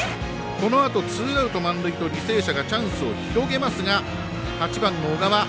このあと、ツーアウト満塁と履正社がチャンスを広げますが８番の小川。